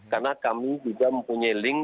karena kami juga mempunyai link